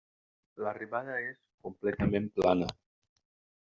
L'arribada és completament plana.